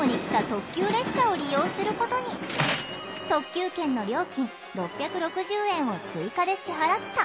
特急券の料金６６０円を追加で支払った。